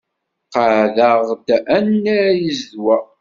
Qeɛd-aɣ-d annar i zzedwa.